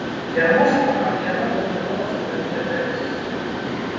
Ярмошына, але яна добры голас менавіта гэтай сістэмы.